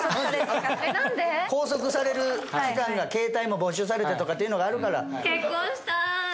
拘束される時間がケータイも没収されてとかっていうのがあるから？